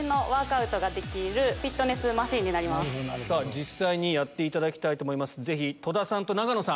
実際にやっていただきたいと思います。